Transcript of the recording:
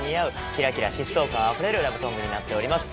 キラキラ疾走感あふれるラブソングになっております。